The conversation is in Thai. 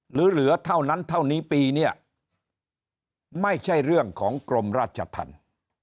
เหลือเท่านั้นเท่านี้ปีเนี่ยไม่ใช่เรื่องของกรมราชธรรม